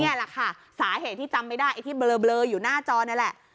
นี่แหละค่ะสาเหตุที่จำไม่ได้ไอ้ที่เบลออยู่หน้าจอนี่แหละ